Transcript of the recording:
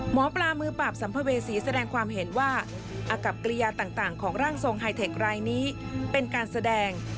หมอปลามือปราบสัมภเวษีแสดงความเห็นว่าอากับกริยาต่างของร่างทรงไฮเทครายนี้เป็นการแสดง